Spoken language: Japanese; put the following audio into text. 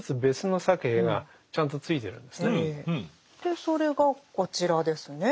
でそれがこちらですね。